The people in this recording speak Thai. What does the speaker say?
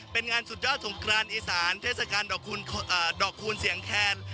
เป็นงานสุดยอดสงครานอีสานเทศกาลดอกคูณเสียงแคน